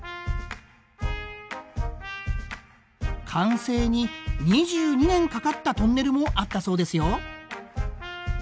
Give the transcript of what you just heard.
完成に２２年かかったトンネルもあったそうですよ。